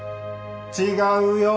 違うよ。